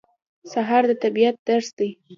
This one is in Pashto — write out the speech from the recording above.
سهار د طبیعت درس دی.